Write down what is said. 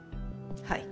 はい。